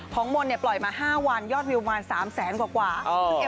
มนต์เนี่ยปล่อยมา๕วันยอดวิวประมาณ๓แสนกว่า